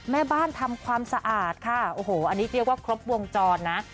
แม่บ้านทำความสะอาดค่ะโอ้โหอันนี้เรียกว่าครบวงจรนะ